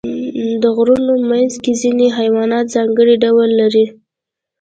د غرونو منځ کې ځینې حیوانات ځانګړي ډول لري.